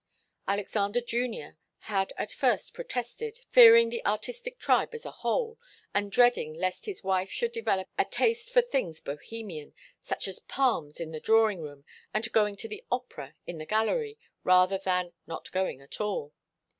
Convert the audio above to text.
Alexander Junior had at first protested, fearing the artistic tribe as a whole, and dreading lest his wife should develop a taste for things Bohemian, such as palms in the drawing room, and going to the opera in the gallery rather than not going at all.